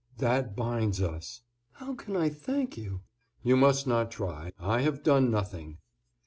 "That binds us." "How can I thank you?" "You must not try, I have done nothing."